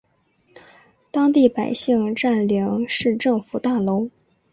当地百姓占领市政府大楼。